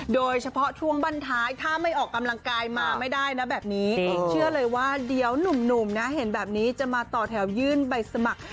โดยเฉพาะช่วงบ้านท้ายถ้าไม่ออกกำลังกายมาไม่ได้นะแบบนี้เชื่อเลยว่าเดี๋ยวหนุ่มนะเห็นแบบนี้จะมาต่อแถวยื่นใบสมัคร